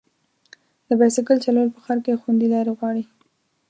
د بایسکل چلول په ښار کې خوندي لارې غواړي.